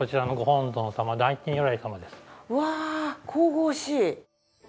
うわあ神々しい！